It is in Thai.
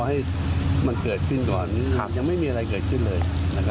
รอให้มันเกิดขึ้นต่อนียังไม่มีอะไรจัดขึ้นเลย